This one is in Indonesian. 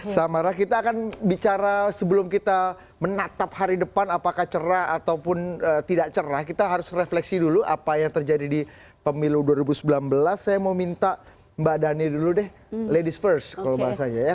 samara kita akan bicara sebelum kita menatap hari depan apakah cerah ataupun tidak cerah kita harus refleksi dulu apa yang terjadi di pemilu dua ribu sembilan belas saya mau minta mbak dhani dulu deh ladies first kalau bahasanya ya